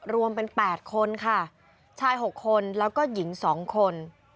รวมเป็น๘คนค่ะชาย๖คนแล้วก็หญิง๒คน